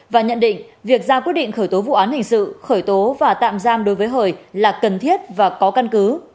và nhận định việc ra quyết định khởi tố vụ án hình sự khởi tố và tạm giam đối với hời là cần thiết và có căn cứ